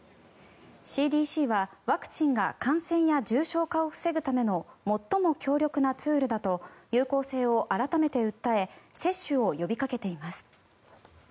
ＣＤＣは、ワクチンが感染や重症化を防ぐための最も強力なツールだと有効性を改めて訴え接種を呼びかけています。